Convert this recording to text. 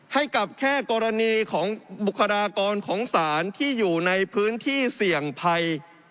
ให้กับแค่กรณีของบุคลากรของศาลที่อยู่ในพื้นที่เสี่ยงภัย